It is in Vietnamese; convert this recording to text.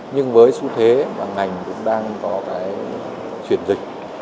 nhưng với xu thế mà ngành cũng đang có cái chuyển dịch